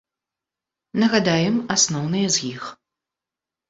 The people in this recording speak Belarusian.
Нагадаем, асноўныя з іх.